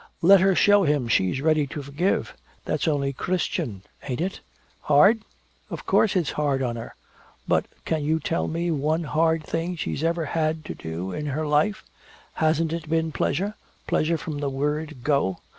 Let her show him she's ready to forgive! That's only Christian, ain't it? Hard? Of course it's hard on her! But can you tell me one hard thing she has ever had to do in her life? Hasn't it been pleasure, pleasure from the word go?